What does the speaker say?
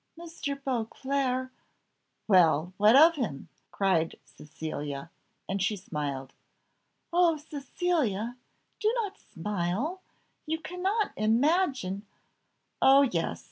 "Mr. Beauclerc " "Well! what of him?" cried Cecilia, and she smiled. "Oh, Cecilia! do not smile; you cannot imagine " "Oh, yes!